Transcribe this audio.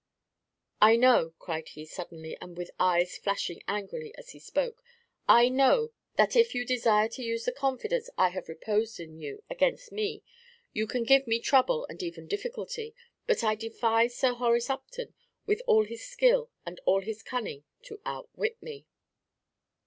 I know," cried he, suddenly, and with eyes flashing angrily as he spoke, "I know that if you desire to use the confidence I have reposed in you against me, you can give me trouble and even difficulty; but I defy Sir Horace Upton, with all his skill and all his cunning, to outwit me."